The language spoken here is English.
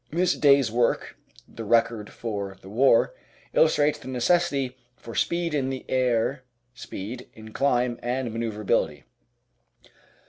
This day's work, the record for the war, illustrates the necessity for speed in the air speed in climb and manoeuvreability.